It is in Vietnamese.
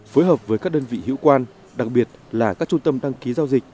phối hợp với các đơn vị hữu quan đặc biệt là các trung tâm đăng ký giao dịch